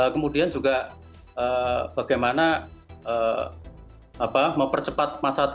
kemudian juga bagaimana mempercepat